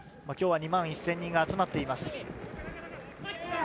今日は２万１０００人が集まっています。